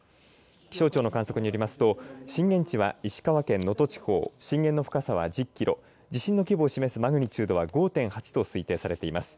気象庁の観測によりますと震源地は石川県能登地方震源の深さは１０キロ地震の規模を示すマグニチュード５．８と推定されています。